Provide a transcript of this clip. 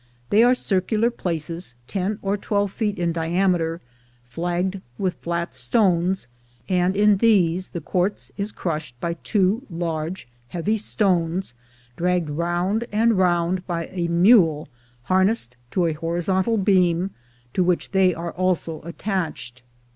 They are circular places, ten or twelve feet in diameter, flagged with flat stones, and in these the quartz is crushed by two large heavy stones dragged round and round by a mule harnessed to a horizontal beam, to which they are also attached.